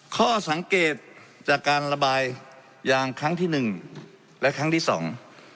ข้อสังเกตจากการระบายยางครั้งที่หนึ่งและครั้งที่สอง